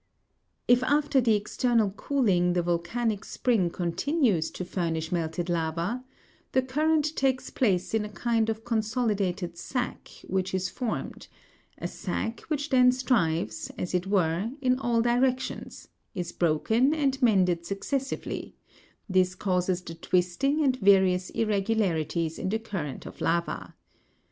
34. If after the external cooling the volcanic spring continues to furnish melted lava, the current takes place in a kind of con solidated sack which is formed ; a sack which then strives, as it were, in all directions, is broken and mended successively ; this causes the twisting and various irregularities in the current of lava.